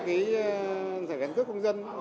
giải quyết cơ công dân